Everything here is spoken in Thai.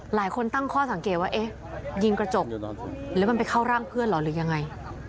หลายคนตั้งข้อสังเกตว่าเอ๊ะยิงกระจกแล้วมันไปเข้าร่างเพื่อนเหรอหรือยังไง